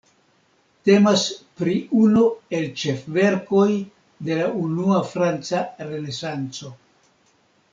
Temas pri unu el ĉefverkoj de la unua franca Renesanco.